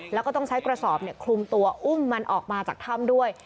แล้วก็ต้องใช้กระสอบคลุมตัวอุ้มมันออกมาจากถ้ำด้วย